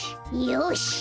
よし！